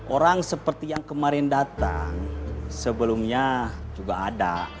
orang seperti yang kemarin datang sebelumnya juga ada